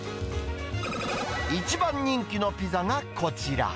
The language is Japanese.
一番人気のピザがこちら。